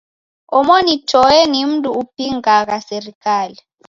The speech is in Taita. Omoni toe ni mndu upingagha serikali.